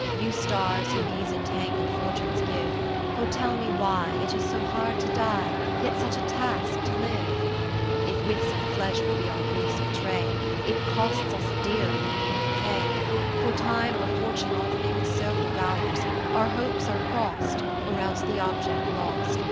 You stars, who these entangled for tunes give, (578) O tell me why It is so hard to die, Yet such a task to live ? If with some pleasure we our griefs betray. It costs us dearer than it can repay. For Time or Fortune all things so devours ; Our hopes are crost, 10 Or else the object lost.